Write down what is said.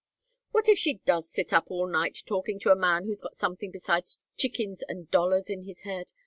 What if she does sit up all night talking to a man who's got something besides chickens and dollars in his head?